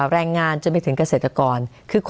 แรงงานจนไปถึงเกษตรกร